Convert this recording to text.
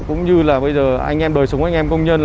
cũng như là bây giờ anh em đời sống anh em công nhân